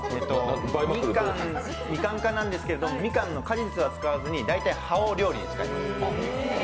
みかん科なんですけどみかんの果実は使わずに、大体、葉を料理に使います。